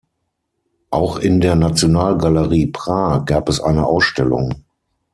Auch in der Nationalgalerie Prag gab es eine Ausstellung.